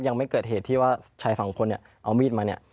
ยังไม่เกิดเหตุที่ว่าชายสองคนเนี่ยเอามีดมาเนี่ย